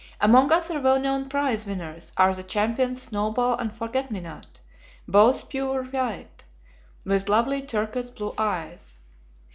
Among other well known prize winners are the champions Snowball and Forget me not, both pure white, with lovely turquoise blue eyes.